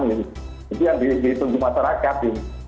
itu yang ditunggu masyarakat